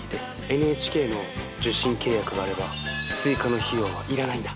ＮＨＫの受信契約があれば追加の費用は要らないんだ。